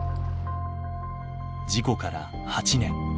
事故から８年。